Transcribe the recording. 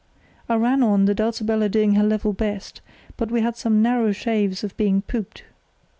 I ran on, the Dulcibella doing her level best, but we had some narrow shaves of being pooped.